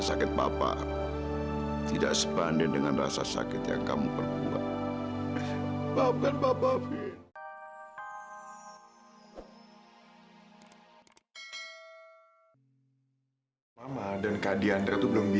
sampai jumpa di video selanjutnya